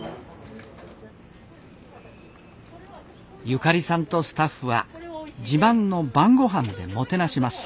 ゆかりさんとスタッフは自慢の晩ごはんでもてなします。